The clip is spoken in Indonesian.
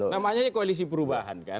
namanya koalisi perubahan kan